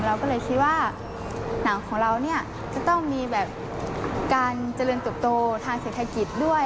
เราก็เลยคิดว่าหนังของเราเนี่ยจะต้องมีแบบการเจริญเติบโตทางเศรษฐกิจด้วย